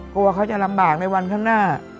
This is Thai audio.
กลัวเขาจะลำบากในวันข้างหน้า